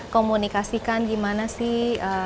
komunikasikan gimana sih